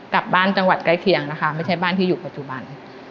จังหวัดใกล้เคียงนะคะไม่ใช่บ้านที่อยู่ปัจจุบัน